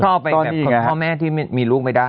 เข้าไปแบบของพ่อแม่ที่มีลูกไปได้